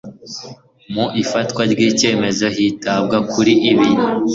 Mu ifatwa ry icyemezo hitabwa kuri ibi